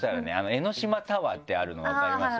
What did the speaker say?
江の島タワーってあるの分かります？